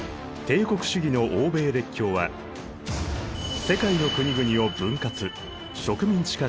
帝国主義の欧米列強は世界の国々を分割植民地化していた。